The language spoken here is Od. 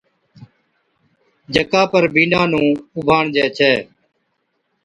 جڪا پر بِينڏا نُون اُڀاڻجي ڇَي